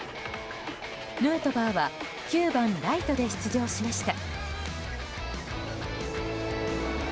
ヌートバーは９番ライトで出場しました。